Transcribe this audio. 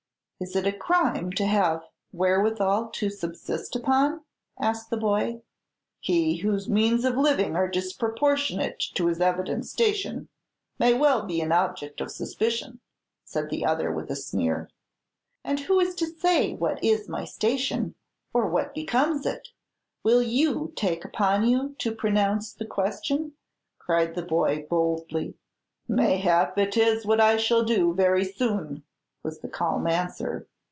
"Is it a crime to have wherewithal to subsist upon?" asked the boy. "He whose means of living are disproportionate to his evident station may well be an object of suspicion," said the other, with a sneer. "And who is to say what is my station, or what becomes it? Will you take upon you to pronounce upon the question?" cried the boy, boldly. "Mayhap it is what I shall do very soon!" was the calm answer.